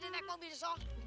ya udah naik gue naik